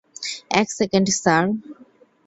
এক second sir.